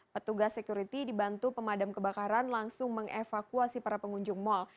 petugas security dibantu pemadam kebakaran langsung mengevakuasi para pengunjung mal